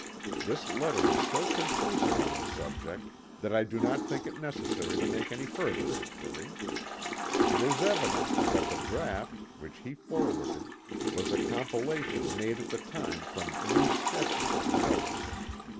This letter is so conclusive on the subject that I do not think it necessary to make any further inquiry. It is evident, that the draught, which he forwarded, was a compilation made at the time from loose sketches and notes.